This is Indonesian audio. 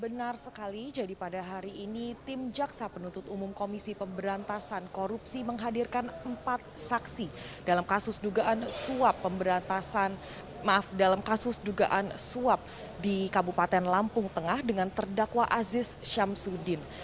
benar sekali jadi pada hari ini tim jaksa penuntut umum komisi pemberatasan korupsi menghadirkan empat saksi dalam kasus dugaan suap di kabupaten lampung tengah dengan terdakwa asi samsudin